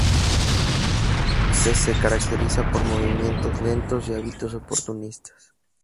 Se se caracteriza por movimientos lentos y hábitos oportunistas.